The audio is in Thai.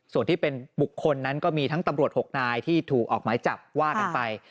ส่วนที่เป็นบุคคลนั้นก็มีทั้งตำรวจ๖นายที่ถูกออกหมายจับว่ากันไป